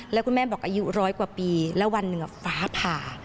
แล้วคุณแม่บอกอายุร้อยกว่าปีแล้ววันหนึ่งฟ้าผ่า